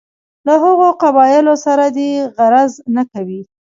له هغو قبایلو سره دې غرض نه کوي.